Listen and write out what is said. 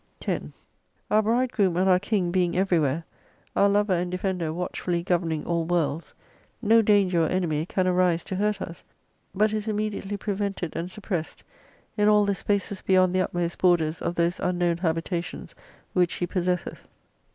10 Our Bridegroom and our King being everywhere, our Lover and Defender watchfully governing all worlds, no danger or enemy can arise to hurt us, but is immediately prevented and suppressed, in all the spaces beyond the utmost borders of those unknown habitations which He possesseth.